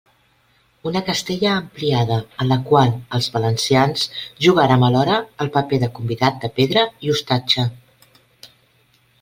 Una Castella ampliada en la qual els valencians jugarem alhora el paper de convidat de pedra i ostatge.